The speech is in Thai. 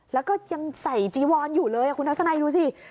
แล้วก็ยังใส่จีวอนอยู่เลยคุณทัศนัยดูสิ